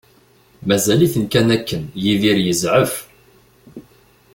Mazal-iten kan akken Yidir yezɛef.